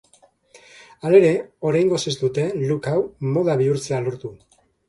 Halere, oraingoz ez dute look hau moda bihurtzea lortu.